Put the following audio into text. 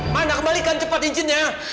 mana kembalikan cepat cincinnya